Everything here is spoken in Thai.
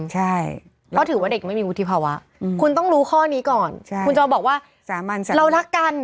ใช่เพราะถือว่าเด็กไม่มีวุฒิภาวะคุณต้องรู้ข้อนี้ก่อนคุณจะมาบอกว่าเรารักกัน